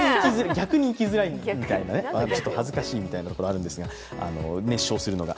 逆に行きづらいみたいなね、ちょっと恥ずかしいみたいなところがあるんですが熱唱するのが。